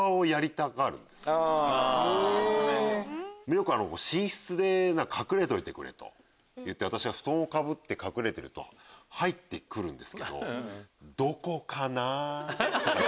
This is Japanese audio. よく寝室で「隠れといてくれ」と言って私は布団をかぶって隠れてると入ってくるんですけど。